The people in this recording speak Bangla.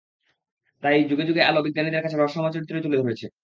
তাই যুগে যুগে আলো বিজ্ঞানীদের কাছে রহস্যময় চরিত্রই তুলে ধরেছে।